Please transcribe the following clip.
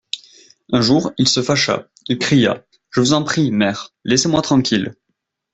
Un jour il se fâcha, il cria : Je vous en prie, mère, laissez-moi tranquille.